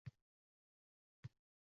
Telba yoki haqiqatgo‘y?